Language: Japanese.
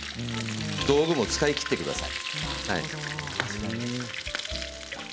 道具も使い切ってください。